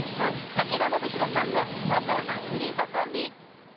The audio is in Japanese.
武田修宏さんの元アスリートコンビ。